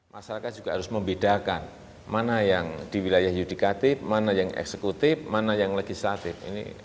masyarakat juga harus membedakan mana yang di wilayah yudikatif mana yang eksekutif mana yang legislatif